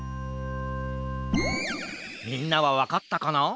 みんなはわかったかな？